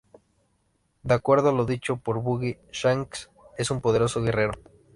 De acuerdo a lo dicho por Buggy, Shanks es un poderoso guerrero.